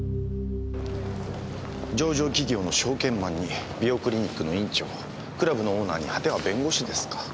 上場企業の証券マンに美容クリニックの院長クラブのオーナーに果ては弁護士ですか。